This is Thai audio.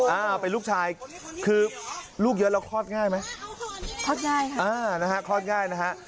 อ่าเป็นลูกชายคือลูกเยอะแล้วคลอดง่ายไหมคลอดง่ายค่ะอ่านะฮะคลอดง่ายนะฮะ